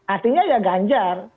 artinya ya ganjar